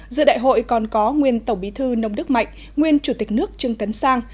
giữa đại hội còn có nguyên tổng bí thư nông đức mạnh nguyên chủ tịch nước trương tấn sang